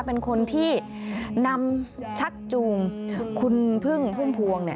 เป็นคนที่นำชักจูงคุณพึ่งพุ่มพวง